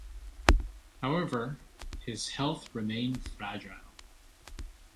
However, his health remained fragile.